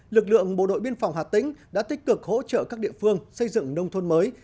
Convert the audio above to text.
lực lượng bộ đội biên phòng hà tĩnh đã tích cực hỗ trợ các địa phương xây dựng nông thôn mới